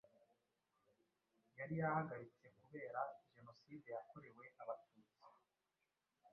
yari yahagaritse kubera Jenoside yakorewe Abatutsi